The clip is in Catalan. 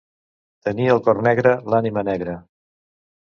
Tenir el cor negre, l'ànima negra.